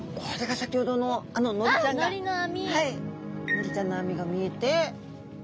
のりちゃんの網が見えて。